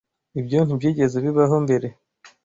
Ibyo ntibyigeze bibaho mbere.